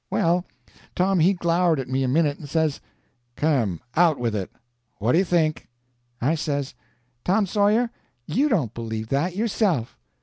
Well, Tom he glowered at me a minute, and says: "Come, out with it. What do you think?" I says: "Tom Sawyer, you don't believe that, yourself."